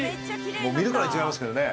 もう見るからに違いますけどね！